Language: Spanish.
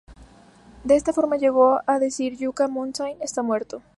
De esta forma llegó a decir "Yucca Mountain está muerto.